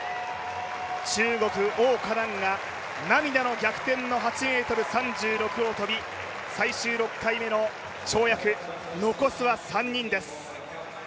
中国、王嘉男が涙の逆転の８ｍ３６を跳び最終６回目の跳躍、残すは３人です。